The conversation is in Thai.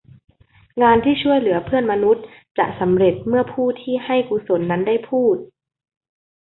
งานที่ช่วยเหลือเพื่อนมนุษย์จะสำเร็จเมื่อผู้ที่ให้กุศลนั้นได้พูด